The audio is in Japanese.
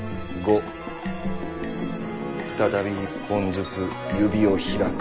再び一本ずつ指を開く。